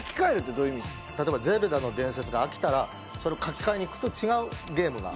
例えば『ゼルダの伝説』が飽きたらそれを書き換えにいくと違うゲームが。